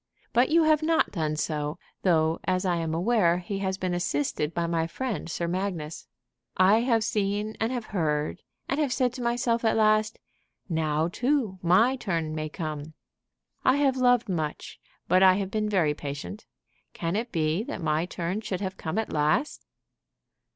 But you have not done so, though, as I am aware, he has been assisted by my friend Sir Magnus. I have seen, and have heard, and have said to myself at last, 'Now, too, my turn may come.' I have loved much, but I have been very patient. Can it be that my turn should have come at last?"